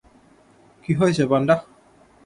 কী হয়েছে, পান্ডা?